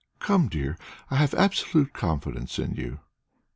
"Come, dear, I have absolute confidence in you."